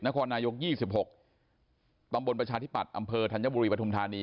นครนายกยุคยี่สิบหกปรำบลประชาธิปัตย์อำเภอทันยบุรีปฐุมธานี